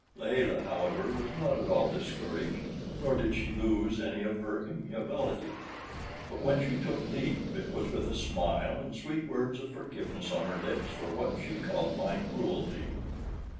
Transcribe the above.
Layelah, however, was not at all discouraged, nor did she lose any of her amiability; but when she took leave it was with a smile and sweet words of forgiveness on her lips for what she called my cruelty.